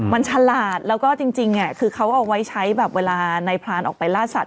มันฉลาดแล้วก็จริงคือเขาเอาไว้ใช้แบบเวลาในพรานออกไปล่าสัต